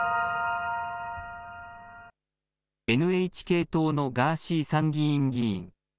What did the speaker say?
ＮＨＫ党のガーシー参議院議員。